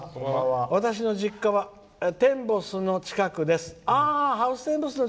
私の実家はテンボスの近くです」。